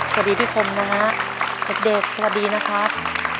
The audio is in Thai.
สวัสดีที่คนม้าอักเด็กสวัสดีนะครับ